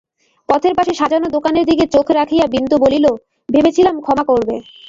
পথের পাশে সাজানো দোকানের দিকে চোখ রাখিয়া বিন্দু বলিল, ভেবেছিলাম ক্ষমা করবে।